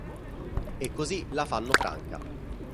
E così la fanno franca.